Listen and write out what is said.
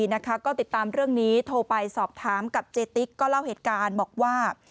นะคะก็ติดตามเรื่องนี้โทรไปสอบถามกับเจติ๊กก็เล่าเหตุการณ์บอกว่า